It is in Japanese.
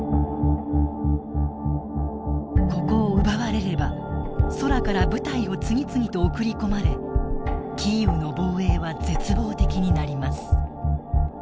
ここを奪われれば空から部隊を次々と送り込まれキーウの防衛は絶望的になります。